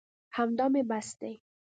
همدا مې بس دي.